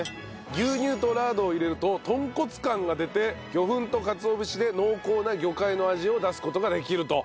牛乳とラードを入れると豚骨感が出て魚粉とかつお節で濃厚な魚介の味を出す事ができると。